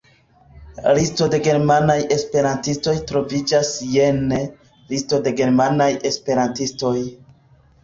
Listo de germanaj esperantistoj troviĝas jene: Listo de germanaj esperantistoj.